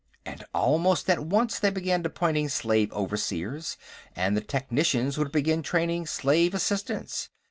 "And almost at once, they began appointing slave overseers, and the technicians would begin training slave assistants.